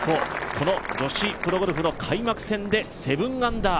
この女子プロゴルフの開幕戦で７アンダー